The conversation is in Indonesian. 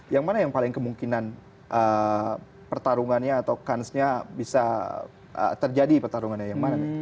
yang mana yang paling kemungkinan pertarungannya atau kansnya bisa terjadi pertarungannya